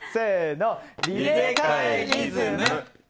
リレカエイズム。